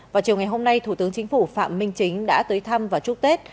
vào chiều ngày hôm nay thủ tướng chính phủ phạm minh chính đã tới thăm và chúc tết